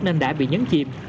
nên đã bị nhấn chìm